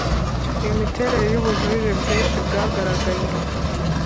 Imiterere y ubujurire bwinshi bwagaragaye